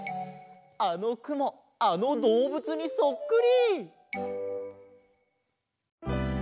あのくもあのどうぶつにそっくり！